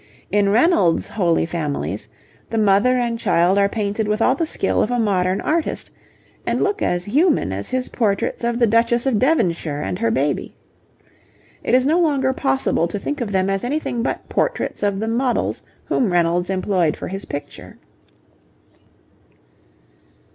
In Reynolds' Holy Families, the Mother and Child are painted with all the skill of a modern artist and look as human as his portraits of the Duchess of Devonshire and her baby. It is no longer possible to think of them as anything but portraits of the models whom Reynolds employed for his picture.